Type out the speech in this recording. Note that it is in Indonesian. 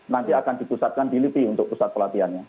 nanti akan dipusatkan di lipi untuk pusat pelatihannya